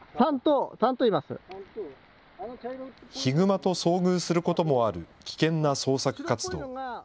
ヒグマと遭遇することもある危険な捜索活動。